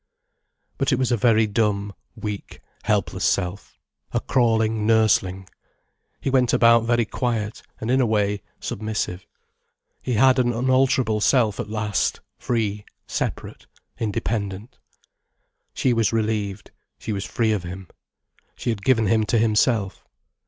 But it was a very dumb, weak, helpless self, a crawling nursling. He went about very quiet, and in a way, submissive. He had an unalterable self at last, free, separate, independent. She was relieved, she was free of him. She had given him to himself.